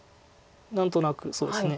何となくそうですね